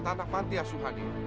tanah pantiasuh hadir